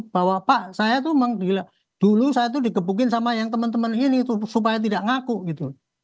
bahwa pak saya tuh dulu saya tuh dikepukin sama yang temen temen ini supaya tidak ngaku gitu